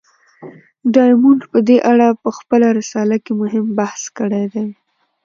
ډایمونډ په دې اړه په خپله رساله کې مهم بحث کړی دی.